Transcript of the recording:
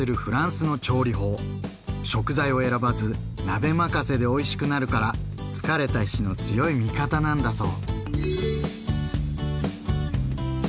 食材を選ばず鍋任せでおいしくなるから疲れた日の強い味方なんだそう。